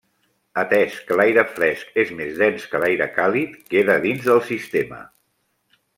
Atès que l'aire fresc és més dens que l'aire càlid queda dins del sistema.